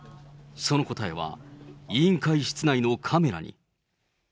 その答えは、委員会室内のカメラに。